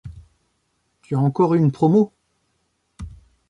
Tu as encore eu une promo ?